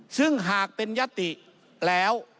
ซึ่งหากเป็นยติแล้ว